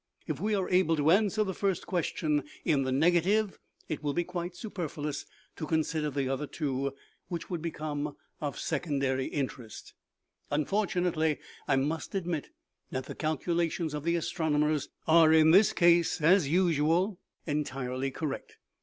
"If we are able to answer the first question in the THE PRINCE OF FINANCE LEAVING THE INSTITUTE. OMEGA. 45 negative, it will be quite superfluous to consider the other two, which would become of secondary interest. " Unfortunately, I must admit that the calculations of the astronomers are in this case, as usual, entirely correct.